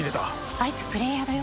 「あいつプレイヤーだよ」